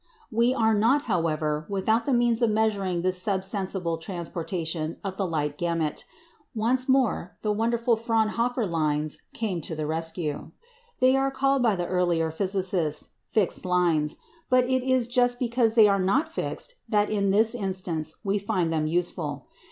We are not, however, without the means of measuring this sub sensible transportation of the light gamut. Once more the wonderful Fraunhofer lines came to the rescue. They were called by the earlier physicists "fixed lines;" but it is just because they are not fixed that, in this instance, we find them useful.